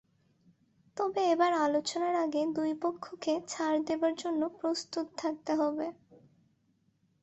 তবে এবার আলোচনার আগে দুই পক্ষকে ছাড় দেওয়ার জন্য প্রস্তুত থাকতে হবে।